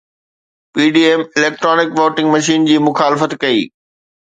PDM electronic voting machine جي مخالفت ڪئي